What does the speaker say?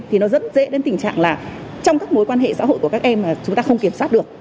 thì nó rất dễ đến tình trạng là trong các mối quan hệ xã hội của các em là chúng ta không kiểm soát được